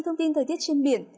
thông tin thời tiết trên biển